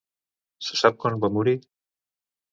Se sap quan va morir?